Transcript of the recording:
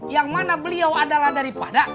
yang mana beliau adalah daripada